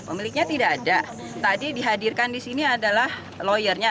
pemiliknya tidak ada tadi dihadirkan di sini adalah lawyernya